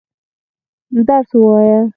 درس وايه.